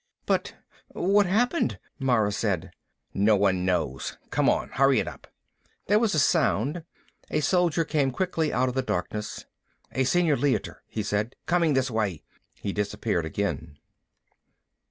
"But what happened?" Mara said. "No one knows. Come on, hurry it up!" There was a sound. A soldier came quickly out of the darkness. "A Senior Leiter," he said. "Coming this way." He disappeared again.